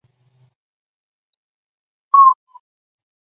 每个连由连长与他的下命令。